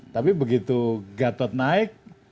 tapi begitu gatot naik